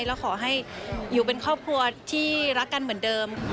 แล้วขอให้อยู่เป็นครอบครัวที่รักกันเหมือนเดิม